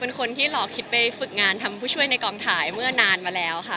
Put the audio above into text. เป็นคนที่หลอกคิดไปฝึกงานทำผู้ช่วยในกองถ่ายเมื่อนานมาแล้วค่ะ